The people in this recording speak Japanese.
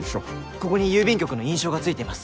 ここに郵便局の印章がついています。